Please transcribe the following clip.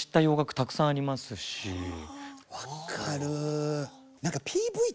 分かる！